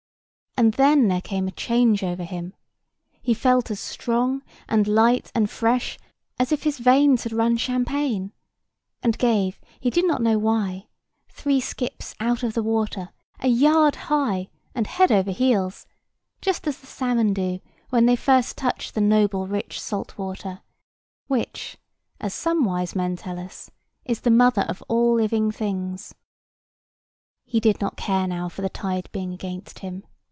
And then there came a change over him. He felt as strong, and light, and fresh, as if his veins had run champagne; and gave, he did not know why, three skips out of the water, a yard high, and head over heels, just as the salmon do when they first touch the noble rich salt water, which, as some wise men tell us, is the mother of all living things. [Picture: Seal] He did not care now for the tide being against him.